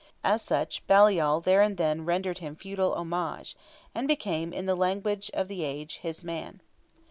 As such, Baliol there and then rendered him feudal homage, and became, in the language of the age, "his man."